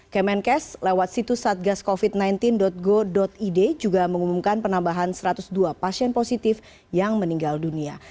kemenkes lewat situs satgascovid sembilan belas go id juga mengumumkan penambahan satu ratus dua pasien positif yang meninggal dunia